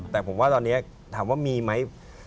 แต่ผมว่าตอนนี้ถามว่ามีไหม